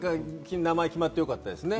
名前決まってよかったですね。